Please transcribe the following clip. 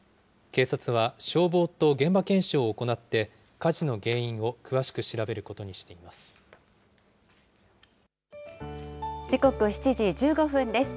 警察は、消防と現場検証を行って、火事の原因を詳しく調べることにしています。